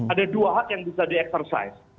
ada dua hak yang bisa di exercise